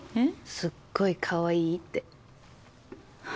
すっごいかわいいって。